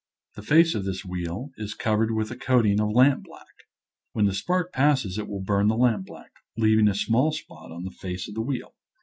The face of this wheel is covered with a coat ing of lampblack. When the spark passes it will burn the lampblack, leaving a small spot on the face of the wheel.